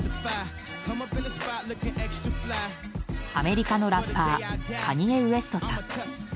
アメリカのラッパーカニエ・ウェストさん。